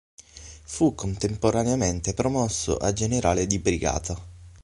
Fu contemporaneamente promosso a Generale di brigata.